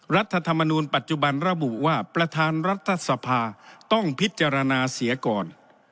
รัฐธรรมนูลปัจจุบันระบุว่าประธานรัฐสภาต้องพิจารณาเสียก่อน